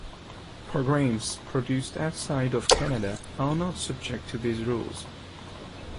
Programs produced outside of Canada are not subject to these rules.